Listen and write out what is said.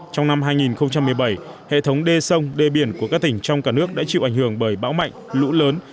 trong năm hai nghìn một mươi bảy hệ thống đê sông đê biển của các tỉnh trong cả nước đã chịu ảnh hưởng bởi bão mạnh lũ lớn